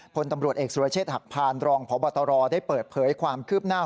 พลตำรวจเอกสุรเชษฐหักพานรองพบตรได้เปิดเผยความคืบหน้า